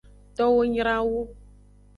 Towo nyra wu.